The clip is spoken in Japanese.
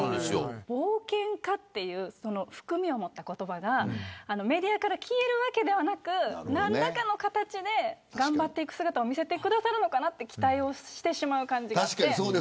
冒険家という含みを持った言葉がメディアから消えるわけではなく何らかの形で頑張っていく姿を見せてくれるのかなと期待をしてしまう感じがあって。